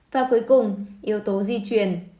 và cuối cùng yếu tố di chuyển